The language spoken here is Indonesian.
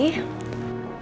baik bu melda